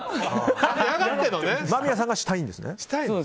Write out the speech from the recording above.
間宮さんがしたいんですね。